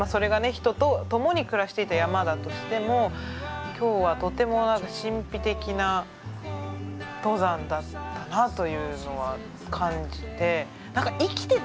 人と共に暮らしていた山だとしても今日はとても神秘的な登山だったなというのは感じて何か生きて。